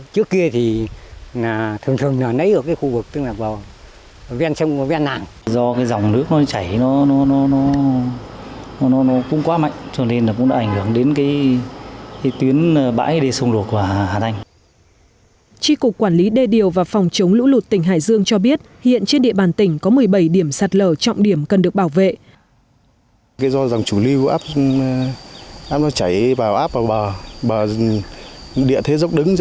chỉ cục quản lý đê điều và phòng chống lũ lụt tỉnh hải dương cho biết hiện trên địa bàn tỉnh có một mươi bảy điểm sạt lở trọng điểm cần được bảo vệ